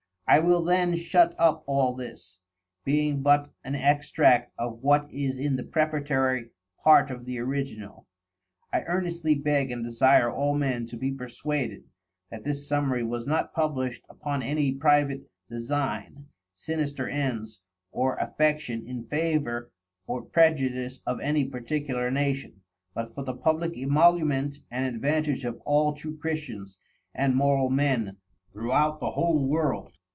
_I will then shut up all this, being but an Extract of what is in the Prefatory part of the Original. I earnestly beg and desire all Men to be perswaded, that this summary was not published upon any private Design, sinister ends or affection in favor or prejudice of any particular Nation; but for the publick Emolument and Advantage of all true Christians and moral Men throughout the whole World.